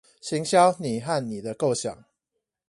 行銷你和你的構想